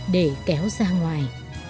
để kéo ra ngoài